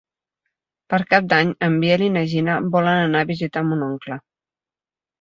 Per Cap d'Any en Biel i na Gina volen anar a visitar mon oncle.